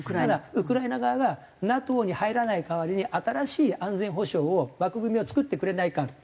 ただウクライナ側がＮＡＴＯに入らない代わりに新しい安全保障を枠組みを作ってくれないか。